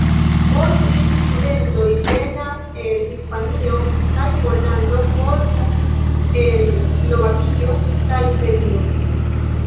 Po tri studentoj venas el Hispanio kaj Pollando, po du el Slovakio kaj Svedio.